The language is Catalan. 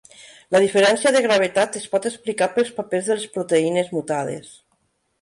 La diferència de gravetat es pot explicar pels papers de les proteïnes mutades.